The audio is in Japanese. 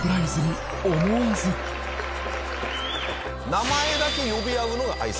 名前だけ呼び合うのが挨拶。